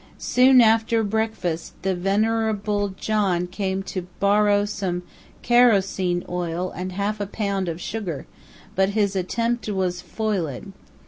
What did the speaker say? Soon after breakfast, the vener able John came to bor row some ker osene oil and a half a pound of sugar, but his attempt was foil ed.